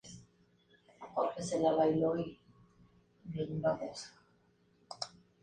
Se construyó un barrio nuevo en las inmediaciones de la Hoya del Egido.